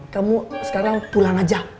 kamu sekarang pulang aja